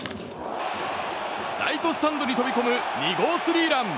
ライトスタンドに飛び込む２号スリーラン。